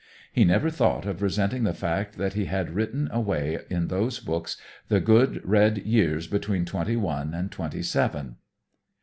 He never thought of resenting the fact that he had written away in those books the good red years between twenty one and twenty seven.